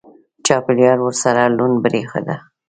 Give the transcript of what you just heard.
چاپېریال ورسره لوند برېښېده.